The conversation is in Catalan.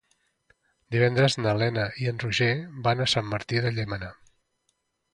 Divendres na Lena i en Roger van a Sant Martí de Llémena.